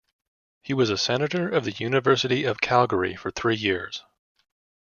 He was a Senator of the University of Calgary for three years.